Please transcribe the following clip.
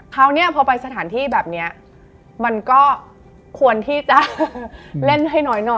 คราวนี้พอไปสถานที่แบบนี้มันก็ควรที่จะเล่นให้น้อยหน่อย